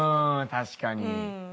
確かに。